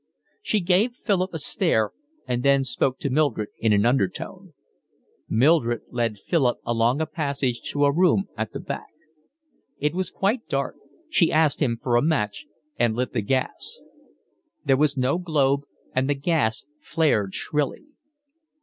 She gave Philip a stare and then spoke to Mildred in an undertone. Mildred led Philip along a passage to a room at the back. It was quite dark; she asked him for a match, and lit the gas; there was no globe, and the gas flared shrilly.